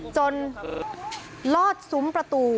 ลอดซุ้มประตู